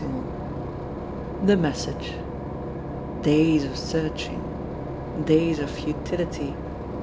VII THE MESSAGE DAYS of searching ! Days of futility